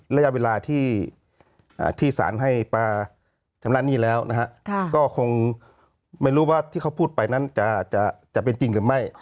ระยะเวลาที่สารให้มาชำระหนี้แล้วก็คงไม่รู้ว่าที่เขาพูดไปนั้นจะเป็นจริงหรือไม่